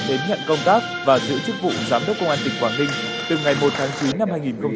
đến nhận công tác và giữ chức vụ giám đốc công an tỉnh quảng ninh từ ngày một tháng chín năm hai nghìn hai mươi